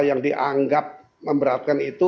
yang dianggap memberatkan itu